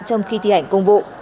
trong khi thi hành công vụ